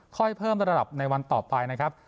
เพิ่มระดับในวันต่อไปนะครับ